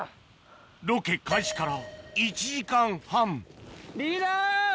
ロケ開始から１時間半リーダー！